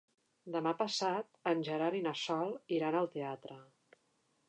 Demà passat en Gerard i na Sol iran al teatre.